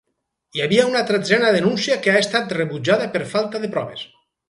Hi havia una tretzena denúncia que ha estat rebutjada per falta de proves.